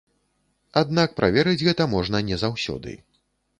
Аднак праверыць гэта можна не заўсёды.